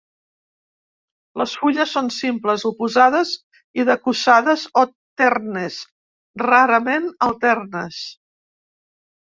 Les fulles són simples, oposades i decussades o ternes, rarament alternes.